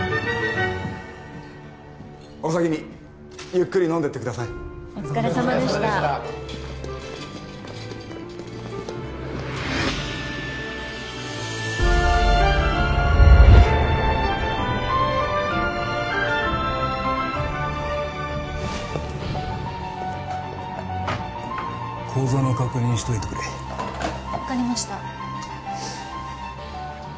お先にゆっくり飲んでってくださいお疲れさまでした口座の確認しといてくれ分かりました